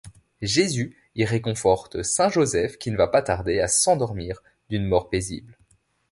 Jésus y réconforte Saint-Joseph qui ne va pas tarder à s'endormir d'une mort paisible.